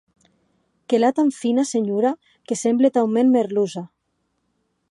Que l’a tan fina, senhora, que semble taument merluça.